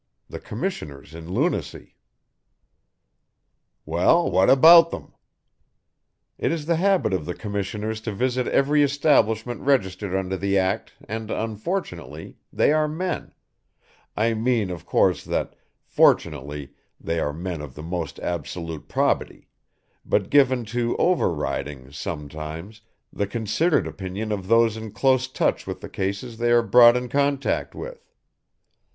The Commissioners in Lunacy." "Well, what about them?" "It is the habit of the Commissioners to visit every establishment registered under the act and unfortunately, they are men I mean of course that, fortunately, they are men of the most absolute probity, but given to over riding, sometimes, the considered opinion of those in close touch with the cases they are brought in contact with.